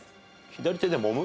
左手でもむ？